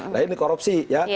lainnya korupsi ya